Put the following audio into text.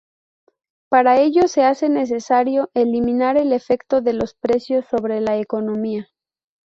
Para ello se hace necesario eliminar el efecto de los precios sobre la economía.